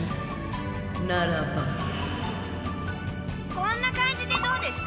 こんな感じでどうですか？